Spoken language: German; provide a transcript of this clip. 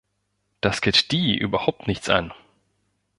Das geht die überhaupt nichts an!